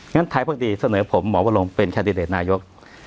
งั้นไทยพรรคดีเสนอผมหมอวะลงเป็นแคดดิเตตนายก